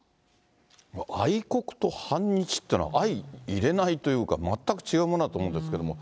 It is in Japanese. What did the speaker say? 愛国と反日ってのは相いれないというか、全く違うものだと思うんですけれども。